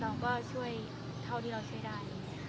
เราก็ช่วยเท่าที่เราช่วยได้